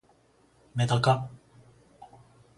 めだか